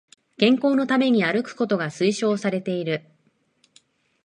健康のために歩くことが推奨されている